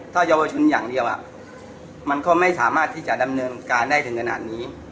ถ้าเยาวชนอย่างเดียวมันก็ไม่สามารถที่จะดำเนินการได้ถึงขนาดนี้